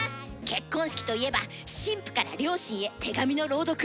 結婚式といえば新婦から両親へ手紙の朗読。